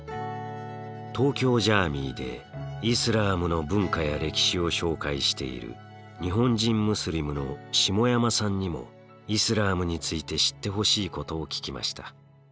東京ジャーミイでイスラームの文化や歴史を紹介している日本人ムスリムの下山さんにもイスラームについて知ってほしいことを聞きました。